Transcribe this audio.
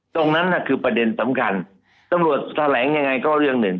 ตรงนั้นน่ะคือประเด็นสำคัญตำรวจแถลงยังไงก็เรื่องหนึ่ง